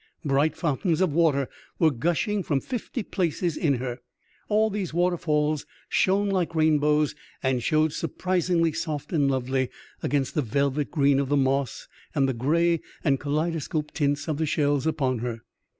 Bright fountains of water were gushing from fifty places in her ; all these waterfalls shone like rainbows and showed surprisingly soft and lovely against the velvet green of the moss and the grey and kaleidoscopic tints of the shells upon her.